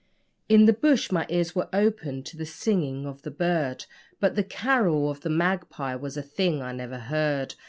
In the bush my ears were opened to the singing of the bird, But the 'carol of the magpie' was a thing I never heard.